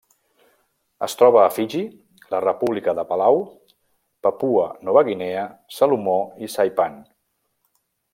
Es troba a Fiji, la República de Palau, Papua Nova Guinea, Salomó i Saipan.